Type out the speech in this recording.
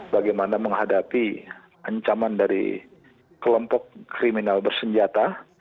bagaimana menghadapi ancaman dari kelompok kriminal bersenjata